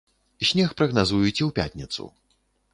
Снег прагназуюць і ў пятніцу.